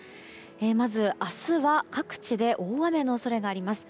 まず、明日は各地で大雨の恐れがあります。